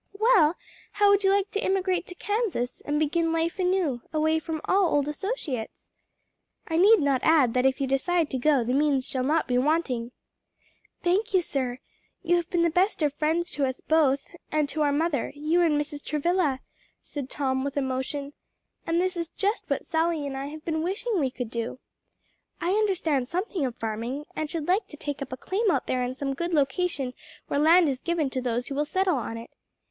"Well, how would you like to emigrate to Kansas and begin life anew; away from all old associates? I need not add that if you decide to go the means shall not be wanting." "Thank you, sir; you have been the best of friends to us both, and to our mother, you and Mrs. Travilla," said Tom, with emotion: "and this is just what Sally and I have been wishing we could do. I understand something of farming and should like to take up a claim out there in some good location where land is given to those who will settle on it.